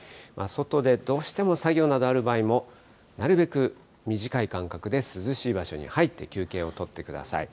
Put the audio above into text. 外でどうしても作業などある場合も、なるべく短い間隔で涼しい場所に入って休憩を取ってください。